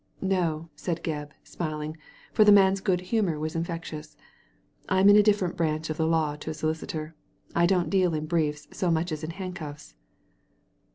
"No," said Gebb, smiling, for the man's good humour was infectious. "I'm in a different branch of the law to a solicitor. I don't deal in briefs so much as in handcuffs."